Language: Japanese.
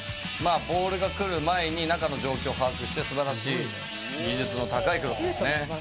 ボールが来る前に中の状況を把握して素晴らしい技術の高いクロスですね。